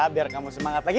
biar kamu semangat lagi